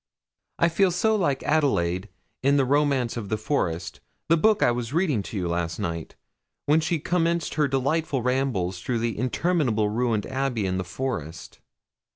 I feel so like Adelaide, in the "Romance of the Forest," the book I was reading to you last night, when she commenced her delightful rambles through the interminable ruined abbey in the forest.'